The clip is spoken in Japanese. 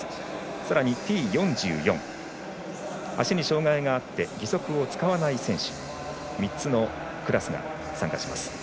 さらにＴ４４足に障がいがあって義足を使わない選手３つのクラスが参加します。